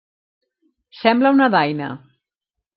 Sembla una daina.